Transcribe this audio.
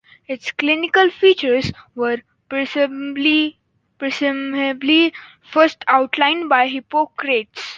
Its clinical features were presumably first outlined by Hippocrates.